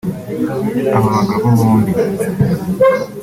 Aba bagabo bombi